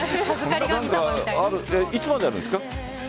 いつまでなんですか？